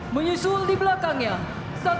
menyusul di belakangnya